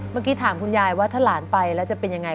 เมื่อกี้ถามคุณยายว่าถ้าหลานไปแล้วจะเป็นยังไง